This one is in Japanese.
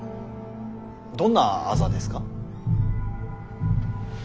どんな痣ですか？